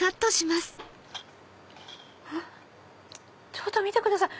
ちょっと見てください！